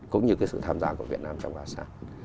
cũng như cái sự tham gia của việt nam trong asean